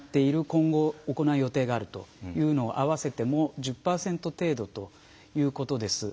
今後「行う予定がある」というのを合わせても１０％程度ということです。